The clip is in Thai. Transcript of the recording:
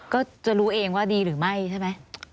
ก็จะรู้เองว่าดีหรือไม่ใช่ไหม